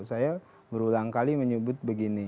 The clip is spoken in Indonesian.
saya berulang kali menyebut begini